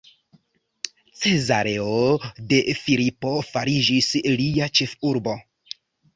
Cezareo de Filipo fariĝis lia ĉefurbo.